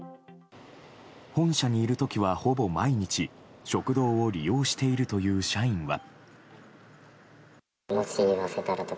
本社にいる時は、ほぼ毎日食堂を利用しているという社員は。